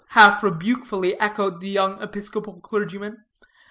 half rebukefully echoed the young Episcopal clergymen.